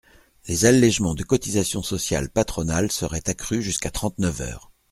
Les allégements de cotisations sociales patronales seraient accrus jusqu’à trente-neuf heures ».